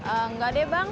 enggak deh bang